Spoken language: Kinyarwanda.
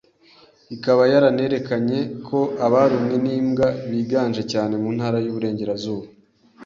ikaba yaranerekanye ko abarumwe n’imbwa biganje cyane mu Ntara y’Iburengerazuba